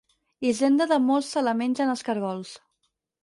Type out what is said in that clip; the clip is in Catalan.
Hisenda de molts se la mengen els caragols.